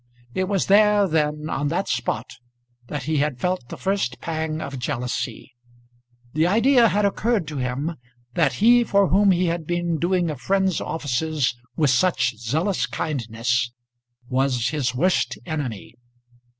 It was there, then, on that spot, that he had felt the first pang of jealousy. The idea had occurred to him that he for whom he had been doing a friend's offices with such zealous kindness was his worst enemy.